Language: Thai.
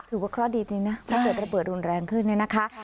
ถือว่าเคราะห์ดีจริงนะถ้าเกิดระเบิดรุนแรงขึ้นเนี่ยนะคะ